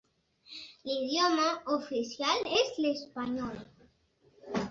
L’idioma oficial és l’espanyol.